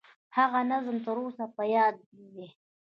هغه نظم تر اوسه په یاد دي.